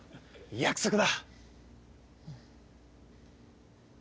約束だ！